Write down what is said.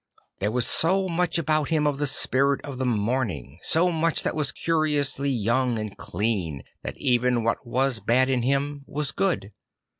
There was so much about him of the spirit of the morning, so much that was curiously young and clean, that even what was bad in him ,vas good.